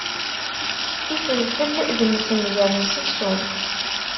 Ifelfel d msenger n seksu.